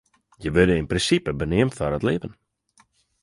Hja wurde yn prinsipe beneamd foar it libben.